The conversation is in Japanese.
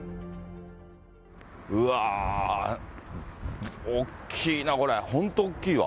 うわー、大きいな、これ、本当、おっきいわ。